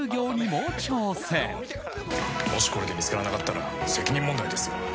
もしこれで見つからなかったら責任問題ですよ。